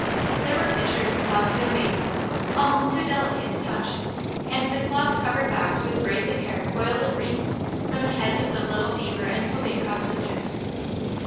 There were pitchers, mugs, and vases, almost too delicate to touch, and the cloth covered box with braids of hair coiled in wreaths from the heads of the little fever and whooping cough sisters.